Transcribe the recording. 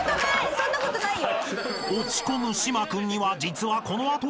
そんなことないよ。